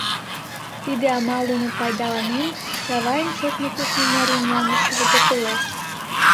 Тиде амал дене пайдаланен, Чавайн шочмо-кушмо марий мландышкыже пӧртылеш.